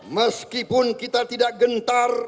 meskipun kita tidak gentar